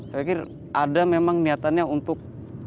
saya pikir ada memang niatannya untuk